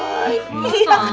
kamu suka sama boy